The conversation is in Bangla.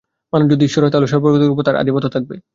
মানুষ যদি ঈশ্বর হয়, তাহলে সর্বজগতের ওপর তার আধিপত্য থাকবে।